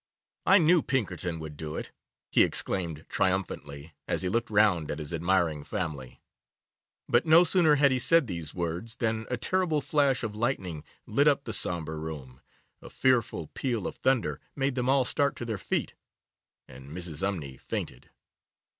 'I knew Pinkerton would do it,' he exclaimed triumphantly, as he looked round at his admiring family; but no sooner had he said these words than a terrible flash of lightning lit up the sombre room, a fearful peal of thunder made them all start to their feet, and Mrs. Umney fainted.